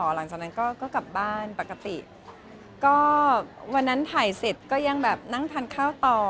หลังจากนั้นก็ก็กลับบ้านปกติก็วันนั้นถ่ายเสร็จก็ยังแบบนั่งทานข้าวต่อ